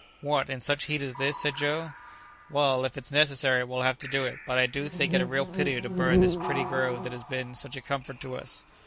"What, in such heat as this?" said Joe. "Well, if it's necessary, we'll have to do it, but I do think it a real pity to burn this pretty grove that has been such a comfort to us!"